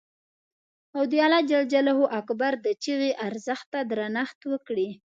او د الله اکبر د چیغې ارزښت ته درنښت وکړي.